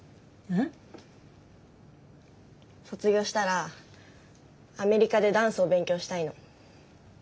うん？卒業したらアメリカでダンスを勉強したいの。